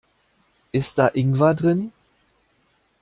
Ist da Ingwer drin?